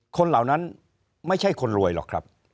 เหล่านั้นไม่ใช่คนรวยหรอกครับ